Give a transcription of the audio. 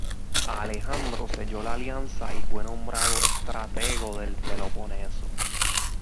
Alejandro selló la alianza y fue nombrado estratego del Peloponeso.